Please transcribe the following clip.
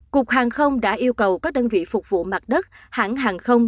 cục hàng không đã yêu cầu các đơn vị phục vụ mặt đất hãng hàng không